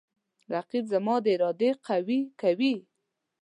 رقیب زما د ارادې قوی کوي